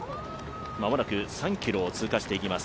間もなく３ｋｍを通過していきます。